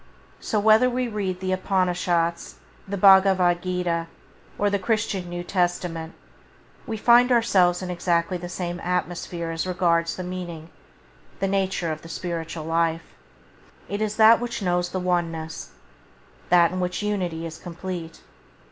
So that whether we read the Upanishats, the Bhagavad Gîtã, or the Christian New Testament, we find ourselves in exactly the same atmosphere as regards the meaning, the nature of the spiritual life: it is that which knows the one ness, that in which unity is complete.